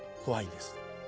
怖いんです。